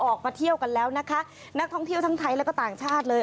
ออกมาเที่ยวกันแล้วนะคะนักท่องเที่ยวทั้งไทยแล้วก็ต่างชาติเลย